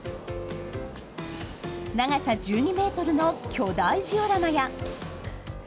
長さ１２メートルの巨大ジオラマや。